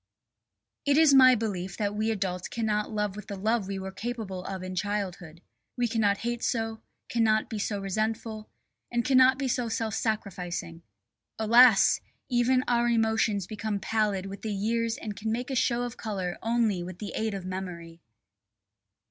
It is my belief that we adults cannot love with the love we were capable of in childhood. We cannot hate so, cannot be so resentful, and cannot be so self sacrificing. Alas! even our emotions become pallid with the years and can make a show of colour only with the aid of memory.